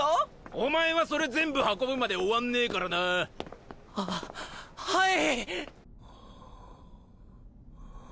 お前はそれ全部運ぶまで終わんねぇからな。ははい！